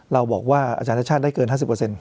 เราบอกว่าอาจารย์รัฐชาติได้เกิน๕๐เปอร์เซ็นต์